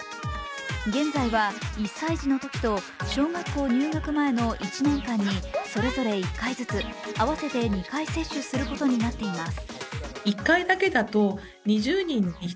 現在は１歳児のときと小学校入学前の１年間にそれぞれ１回ずつ、合わせて２回接種することになっています。